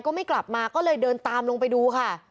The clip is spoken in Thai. ก็ไม่กลับมาก็เลยเดินตามลงไปดูค่ะ